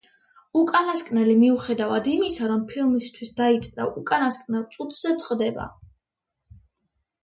უკანასკნელი, მიუხედავად იმისა, რომ ფილმისთვის დაიწერა, უკანასკნელ წუთზე წყდება.